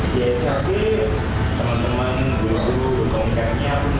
di sht teman teman guru guru komunikasinya